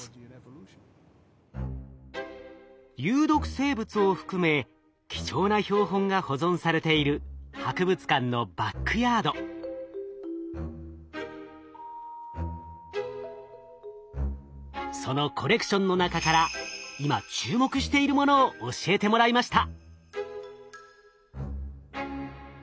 生物を含め貴重な標本が保存されているそのコレクションの中から今注目しているものを教えてもらいました。